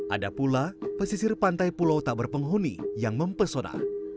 ada pula pesisir pantai pulau tak berpenghuni yang mempesona